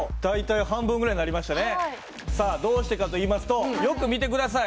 さあどうしてかといいますとよく見て下さい。